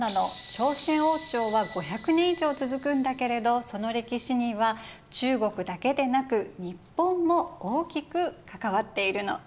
朝鮮王朝は５００年以上続くんだけれどその歴史には中国だけでなく日本も大きく関わっているの。